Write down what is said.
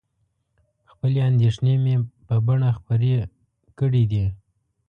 خپلې اندېښنې مې په بڼه خپرې کړي دي.